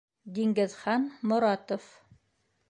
Диңгеҙхан Моратов.